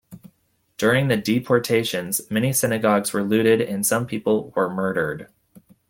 During the deportations, many synagogues were looted and some people were murdered.